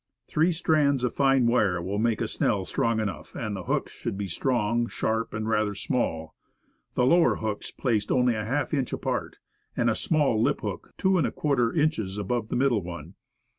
Three strands of fine wire will make a snell strong enough, and the hooks should be strong, sharp and rather small, the lower hooks placed only half an inch apart, and a small lip hook two and a quarter inches above the middle one.